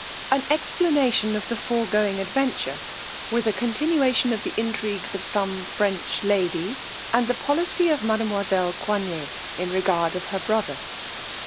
_An explanation of the foregoing adventure, with a continuation of the intrigues of some French ladies, and the policy of mademoiselle Coigney in regard of her brother_.